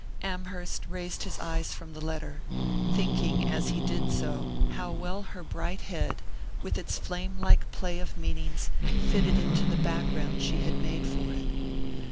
Amherst raised his eyes from the letter, thinking as he did so how well her bright head, with its flame like play of meanings, fitted into the background she had made for it.